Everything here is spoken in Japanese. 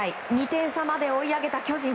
２点差まで追い上げた巨人。